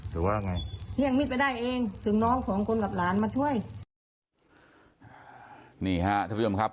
ให้ได้เองน้องผงคนกับราวมาช่วย